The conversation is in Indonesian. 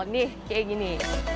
nih kayak gini